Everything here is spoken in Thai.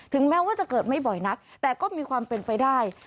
แม้ว่าจะเกิดไม่บ่อยนักแต่ก็มีความเป็นไปได้